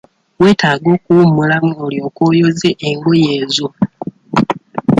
Weetaaga kuwummulamu olyoke oyoze engoye ezo.